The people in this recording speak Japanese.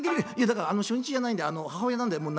「だからあの初日じゃないんで母親なんでもう